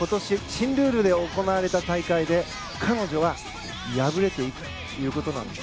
新ルールで行われた大会で彼女は敗れたということです。